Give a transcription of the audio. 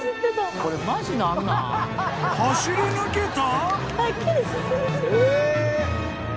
［走り抜けた？］